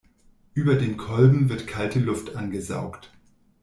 Über dem Kolben wird kalte Luft angesaugt.